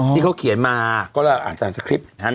นี่เขาเขียนมาก็อาจารย์สคริปต์นั้น